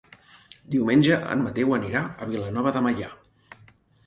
Diumenge en Mateu anirà a Vilanova de Meià.